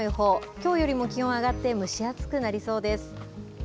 きょうよりも気温上がって、蒸し暑くなりそうです。